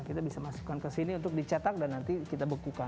kita bisa masukkan ke sini untuk dicetak dan nanti kita bekukan